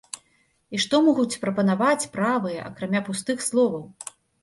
І што могуць прапанаваць правыя, акрамя пустых словаў?